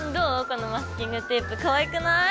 このマスキングテープかわいくない？